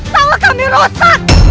salah kami rusak